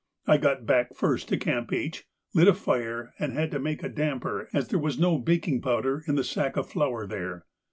I got back first to Camp H, lit a fire, and had to make a damper, as there was no baking powder in the sack of flour there.